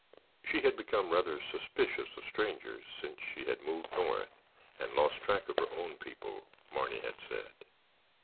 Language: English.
She had become rather suspicious of strangers since she had moved North and lost track of her own people, Marny had said.